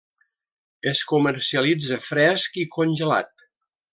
Es comercialitza fresc i congelat.